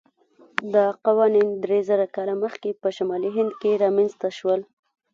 دا قوانین درېزره کاله مخکې په شمالي هند کې رامنځته شول.